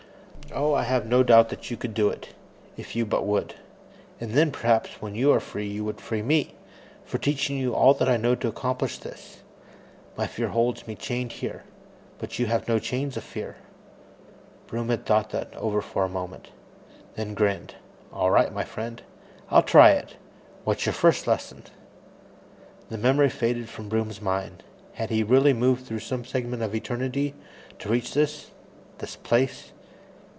"Oh, I have no doubt that you could do it, if you but would. And then, perhaps, when you are free, you would free me for teaching you all I know to accomplish this. My fear holds me chained here, but you have no chains of fear." Broom had thought that over for a moment, then grinned. "All right, my friend; I'll try it. What's your first lesson?" The memory faded from Broom's mind. Had he really moved through some segment of Eternity to reach this ... this place?